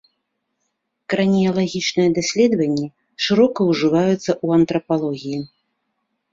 Краніялагічныя даследаванні шырока ўжываюцца ў антрапалогіі.